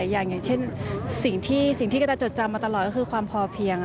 อย่างเช่นสิ่งที่กระดาจดจำมาตลอดก็คือความพอเพียง